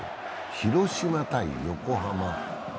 広島×横浜。